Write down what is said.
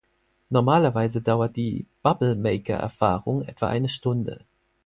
Normalerweise dauert die "Bubblemaker"-Erfahrung etwa eine Stunde.